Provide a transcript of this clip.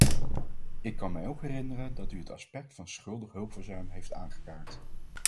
Ik kan mij ook herinneren dat u het aspect van schuldig hulpverzuim heeft aangekaart.